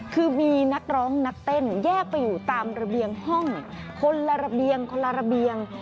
คือมีนักร้องนักเต้นแยกไปอยู่ตามระเบียงห้องคนละระเบียงคนละระเบียง